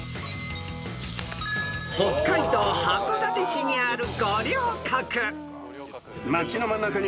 ［北海道函館市にある五稜郭］